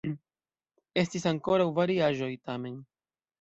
Estis ankoraŭ variaĵoj, tamen.